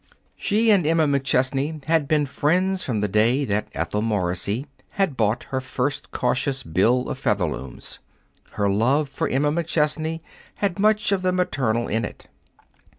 She and Emma McChesney had been friends from the day that Ethel Morrissey had bought her first cautious bill of Featherlooms. Her love for Emma McChesney had much of the maternal in it.